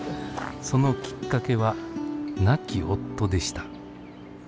そのきっかけは亡き夫でした。